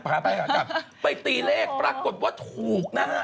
พาไปหากลับไปตีเลขปรากฏว่าถูกนะฮะ